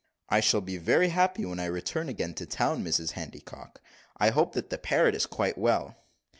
"I shall be very happy when I return again to town, Mrs Handycock. I hope the parrot is quite well."